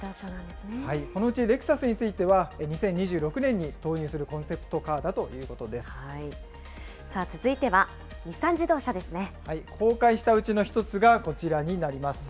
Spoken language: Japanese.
このうちレクサスについては、２０２６年に投入するコンセプトカさあ、続いては日産自動車で公開したうちの１つがこちらになります。